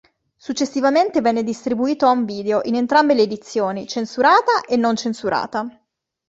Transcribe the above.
Successivamente venne distribuito Home video in entrambe le edizioni: censurata e non censurata.